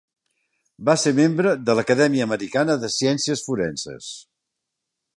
Va ser membre de l'Acadèmia Americana de Ciències Forenses.